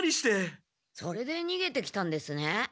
それでにげてきたんですね。